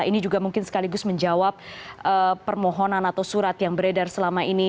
ini juga mungkin sekaligus menjawab permohonan atau surat yang beredar selama ini